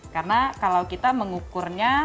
karena kalau kita mengukurnya